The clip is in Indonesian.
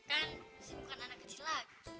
kan si bukan anak kecil lagi